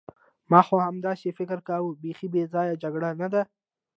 ما خو همداسې فکر کاوه، بیخي بې ځایه جګړه نه ده.